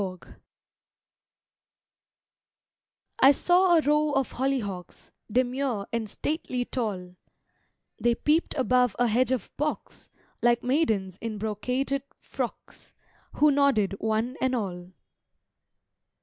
HOLLYHOCKS I saw a row of hollyhocks, Demure and stately tall, They peep'd above a hedge of box, Like maidens in brocaded frocks, Who nodded one and all.